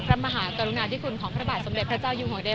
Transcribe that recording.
พระมหากรุงนาฏิกุลของประบาลสมเด็จพระเจ้ายุโมเดบัน